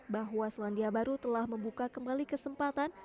bahwa selandia baru telah membuka kembali kesempatan